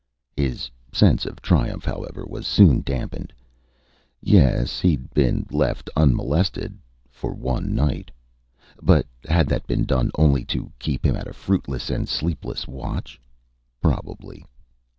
His sense of triumph, however, was soon dampened. Yes he'd been left unmolested for one night. But had that been done only to keep him at a fruitless and sleepless watch? Probably.